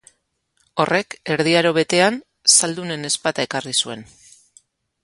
Horrek Erdi Aro Betean zaldunen ezpata ekarri zuen.